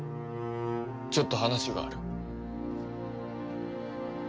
ちょっと話がある。